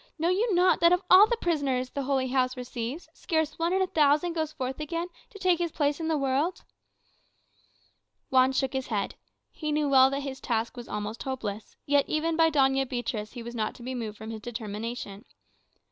Know you not that of all the prisoners the Holy House receives, scarce one in a thousand goes forth again to take his place in the world?" Juan shook his head. He knew well that his task was almost hopeless; yet, even by Doña Beatriz, he was not to be moved from his determination.